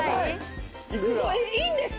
すごいいいんですか？